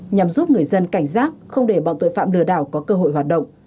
nhằm giúp người dân cảnh giác không để bọn tội phạm lừa đảo có cơ hội hoạt động